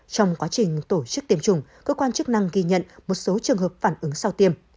trong quá trình tổ chức tiêm chủng cơ quan chức năng ghi nhận một số trường hợp phản ứng sau tiêm